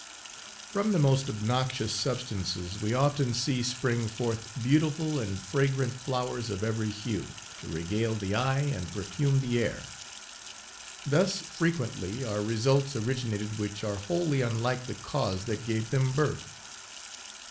From the most obnoxious substances we often see spring forth, beautiful and fragrant, flowers of every hue, to regale the eye, and perfume the air. Thus, frequently, are results originated which are wholly unlike the cause that gave them birth.